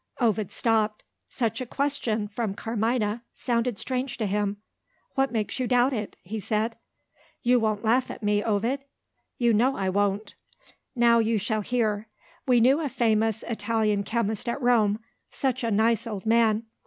Ovid stopped. Such a question, from Carmina, sounded strange to him. "What makes you doubt it?" he said. "You won't laugh at me, Ovid?" "You know I won't!" "Now you shall hear. We knew a famous Italian chemist at Rome such a nice old man!